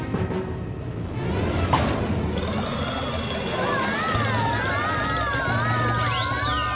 うわ！